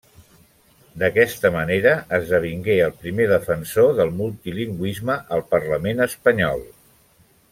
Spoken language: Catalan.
D'aquesta manera, esdevingué el primer defensor del multilingüisme al Parlament Espanyol.